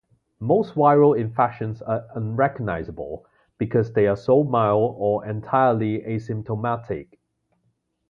Most viral infections are unrecognizable because they are so mild or entirely asymptomatic.